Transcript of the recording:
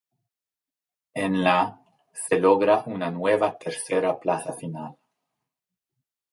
En la se logra una nueva tercera plaza final.